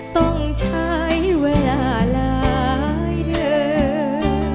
ต้องใช้เวลาหลายเดือน